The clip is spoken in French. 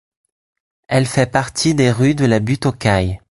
Elle fait partie des rues de la Butte-aux-Cailles.